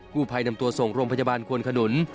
ผู้ภัยนำตัวส่งโรงพยาบาลควนขนุน